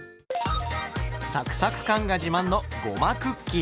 サクサク感が自慢のごまクッキー。